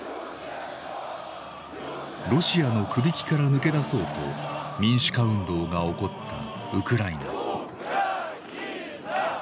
ロシアのくびきから抜け出そうと民主化運動が起こったウクライナ。